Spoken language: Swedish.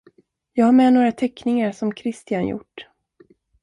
Jag har med några teckningar som Kristian gjort.